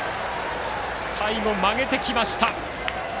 最後、曲げてきました。